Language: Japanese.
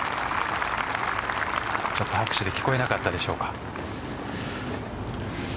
ちょっと拍手で聞こえなかったでしょうか。